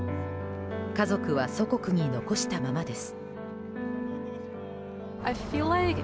家族は祖国に残したままです。